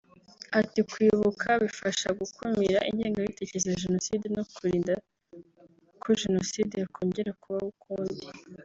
Ati “Kwibuka bifasha gukumira ingengabitekerezo ya Jenoside no kurinda ko jenoside yakongera kubaho ukundi